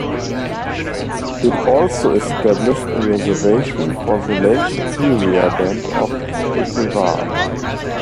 It also established a reservation for the Lake Superior Band of Chippewa.